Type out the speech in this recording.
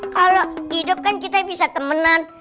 kalau hidup kan kita bisa temenan